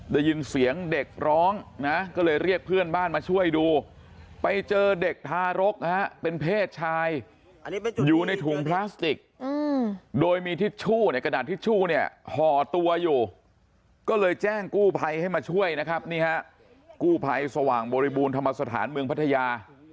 ได้ยินเสียงเด็กร้องนะก็เลยเรียกเพื่อนบ้านมาช่วยดูไปเจอเด็กทารกนะฮะเป็นเพศชายอยู่ในถุงพลาสติกโดยมีทิชชู่เนี่ยกระดาษทิชชู่เนี่ยห่อตัวอยู่ก็เลยแจ้งกู้ภัยให้มาช่วยนะครับนี่ฮะกู้ภัยสว่างบริบูรณธรรมสถานเมืองพัทยา